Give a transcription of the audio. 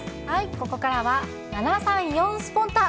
ここからは、７３４スポンタっ！